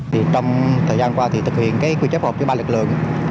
trong thời gian qua thực hiện quy chấp hợp với ba lực lượng